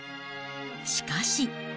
しかし。